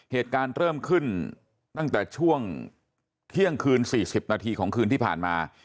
เหตุการณ์เริ่มขึ้นตั้งแต่ช่วงเที่ยงคืน๔๐นาทีของคืนที่ผ่านมา